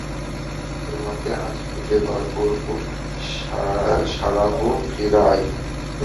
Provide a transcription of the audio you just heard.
তোমাকে আজ খুঁজে বার করব, সারাহ ফিয়ার!